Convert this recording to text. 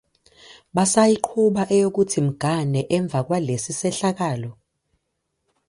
Basayiqhuba eyokuthi mgane emva kwalesi sehlakalo?